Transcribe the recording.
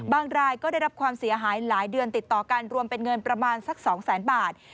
รายก็ได้รับความเสียหายหลายเดือนติดต่อกันรวมเป็นเงินประมาณสัก๒แสนบาท